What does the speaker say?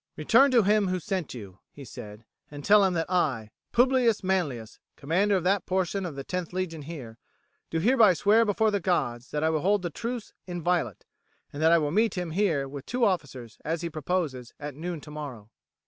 "Return to him who sent you," he said, "and tell him that I, Publius Manlius, commander of that portion of the 10th Legion here, do hereby swear before the gods that I will hold the truce inviolate, and that I will meet him here with two officers, as he proposes, at noon tomorrow."